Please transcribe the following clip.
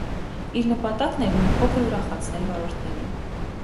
Իր նպատակն էր մի փոքր ուրախացնել վարորդներին։